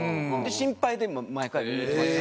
心配で毎回見に行ってました。